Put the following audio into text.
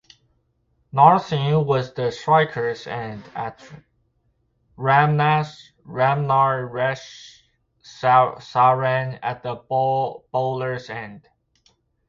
Narsingh was at the striker's end with Ramnaresh Sarwan at the bowlers end.